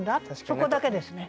そこだけですね。